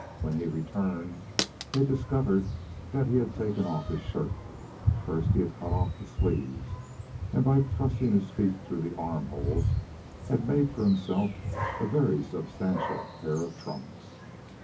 When he returned they discovered that he had taken off his shirt. First he had cut off the sleeves, and by thrusting his feet through the arm holes had made for himself a very substantial pair of trunks.